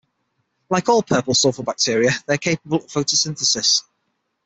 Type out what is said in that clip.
Like all purple sulfur bacteria, they are capable of photosynthesis.